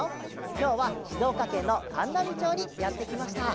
きょうはしずおかけんのかんなみちょうにやってきました。